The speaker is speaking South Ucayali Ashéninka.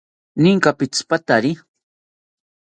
Ninka pitzipatari?